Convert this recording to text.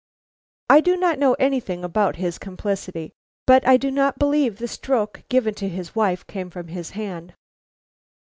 "I do not know anything about his complicity; but I do not believe the stroke given to his wife came from his hand."